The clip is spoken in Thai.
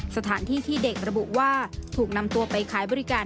สถานที่ที่เด็กระบุว่าถูกนำตัวไปขายบริการ